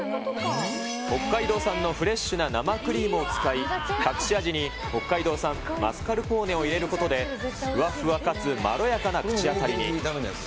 北海道産のフレッシュな生クリームを使い、隠し味に北海道産、マスカルポーネを入れることで、ふわふわかつまろやかな口当たりに。